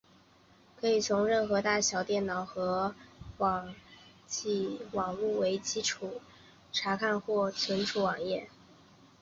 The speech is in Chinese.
可以从任何大小以电脑和网际网路为基础的设备查看或存取网页。